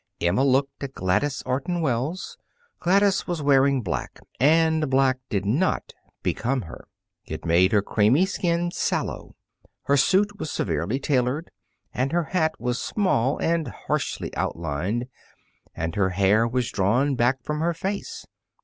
Emma looked at Gladys Orton Wells. Gladys was wearing black, and black did not become her. It made her creamy skin sallow. Her suit was severely tailored, and her hat was small and harshly outlined, and her hair was drawn back from her face.